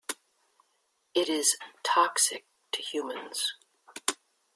It is toxic to humans.